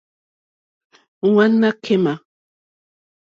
Ŋwánâ kémà.